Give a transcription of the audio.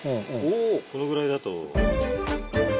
このぐらいだと。